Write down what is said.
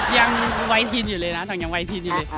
ยังวัยทีนอยู่เลยนะหนังยังวัยทีนอยู่เลย